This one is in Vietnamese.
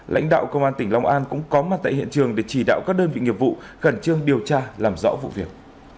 lãnh đạo công an tỉnh long an cũng có mặt tại hiện trường để chỉ đạo các đơn vị nghiệp vụ khẩn trương điều tra làm rõ vụ việc